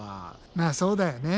まあそうだよね。